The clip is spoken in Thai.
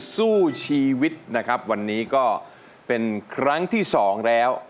สู้ชีวิตนะครับวันนี้ก็เป็นครั้งที่สองแล้ว